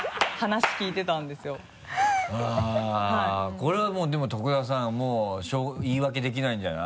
これはもうでも徳田さんもう言い訳できないんじゃない？